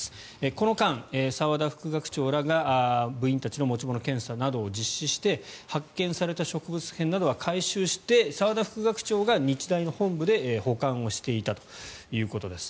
この間、澤田副学長らが部員たちの持ち物検査などを実施して発見された植物片などは回収して澤田副学長が日大の本部で保管をしていたということです。